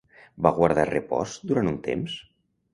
Va guardar repòs durant un temps?